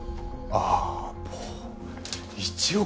ああ。